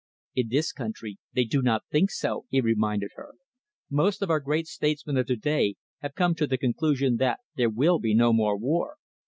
"In this country they do not think so," he reminded her. "Most of our great statesmen of today have come to the conclusion that there will be no more war."